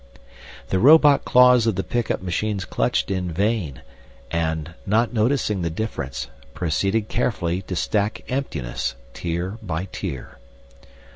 The robot claws of the pickup machines clutched in vain, and, not noticing the difference, proceeded carefully to stack emptiness, tier by tier.